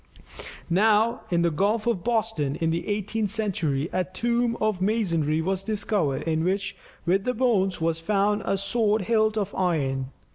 Now, in the Gulf of Boston in the eighteenth century, a tomb of masonry was discovered, in which, with the bones, was found a sword hilt of iron.